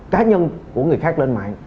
cá nhân của người khác lên mạng